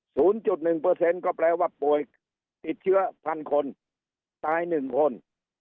จุดหนึ่งเปอร์เซ็นต์ก็แปลว่าป่วยติดเชื้อพันคนตายหนึ่งคน